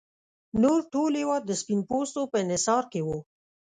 نور ټول هېواد د سپین پوستو په انحصار کې و.